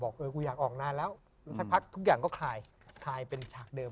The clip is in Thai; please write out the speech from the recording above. เออกูอยากออกนานแล้วสักพักทุกอย่างก็คลายเป็นฉากเดิม